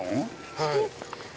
はい。